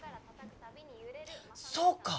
そうか！